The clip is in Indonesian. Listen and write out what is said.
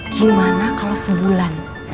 gimana kalau sebulan